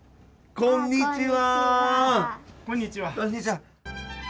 こんにちは。